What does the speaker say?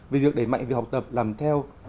về việc đẩy mạnh về học tập làm theo